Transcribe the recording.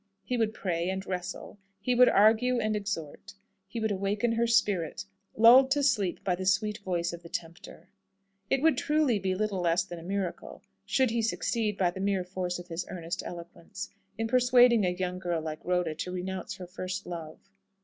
He would pray and wrestle; he would argue and exhort. He would awaken her spirit, lulled to sleep by the sweet voice of the tempter. It would truly be little less than a miracle, should he succeed by the mere force of his earnest eloquence, in persuading a young girl like Rhoda to renounce her first love.